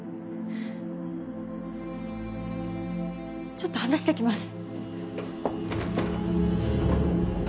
ちょっと話してきます。